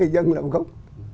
dân nằm gốc